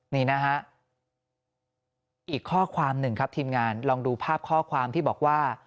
นี่นะฮะอีกข้อความหนึ่งครับทีมงานลองดูภาพข้อความที่บอกว่า